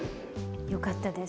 よかったです。